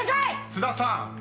［津田さん